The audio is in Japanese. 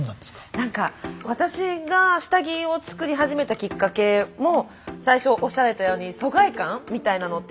何か私が下着を作り始めたきっかけも最初おっしゃられたように疎外感みたいなのってあったんですよ。